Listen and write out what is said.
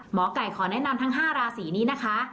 หมอไก่ขอแนะนำทั้ง๕ราศีนี้นะคะ